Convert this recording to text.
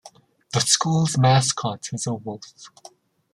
The school's mascot is a wolf.